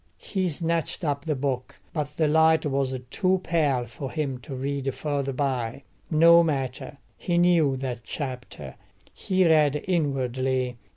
He snatched up the book, but the light was too pale for him to read further by. No matter: he knew that chapter; he read inwardly.